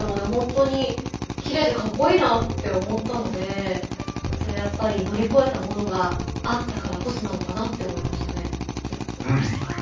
本当にきれいでかっこいいなって思ったのでそれはやっぱり乗り超えたものがあったからこそなのかなって思いましたね。